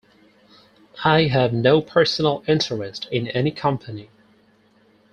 I have no personal interest in any company.